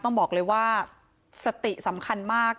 ต้องบอกเลยว่าสติสำคัญมาก